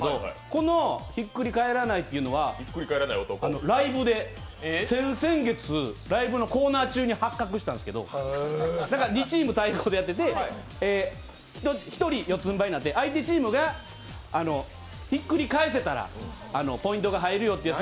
このひっくり返らないっていうのはライブで先々月、ライブのコーナー中に発覚したんですけど、２チーム対抗でやってて、１人四つんばいになって、相手チームがひっくり返せたらポイントが入るよという。